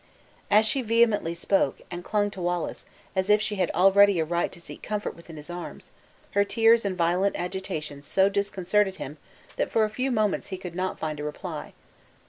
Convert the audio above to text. As she vehemently spoke, and clung to Wallace, as if she had already a right to seek comfort within his arms, her tears and violent agitations so disconcerted him that for a few moments he could not find a reply.